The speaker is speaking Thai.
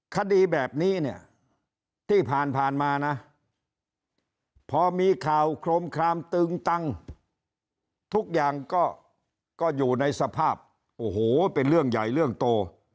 คดีแบบนี้เนี่ยที่ผ่านมานะพอมีข่าวโครมคลามตึงตังทุกอย่างก็อยู่ในสภาพโอ้โหเป็นเรื่องใหญ่เรื่องโต